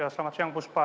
selamat siang pak